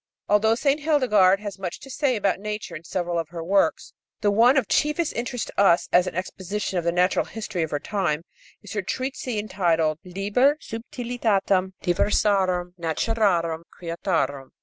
Although St. Hildegard has much to say about nature in several of her works, the one of chiefest interest to us as an exposition of the natural history of her time is her treatise entitled Liber Subtilitatum Diversarum Naturarum Creaturarum.